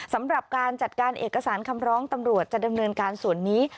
สำหรับการจัดการเอกสารคำร้องตำรวจจะดำเนินการส่วนนี้